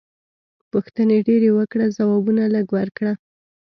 پوښتنې ډېرې وکړه ځوابونه لږ ورکړه.